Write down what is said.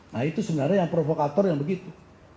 nah itu sebenarnya yang provokator yang begitu